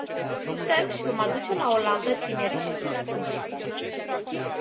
Putem și vom aduce laolaltă tinerii și vârstnicii.